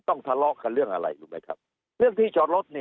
ทะเลาะกันเรื่องอะไรรู้ไหมครับเรื่องที่จอดรถนี่